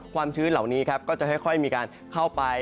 ชื้นเหล่านี้ครับก็จะค่อยมีการเข้าไป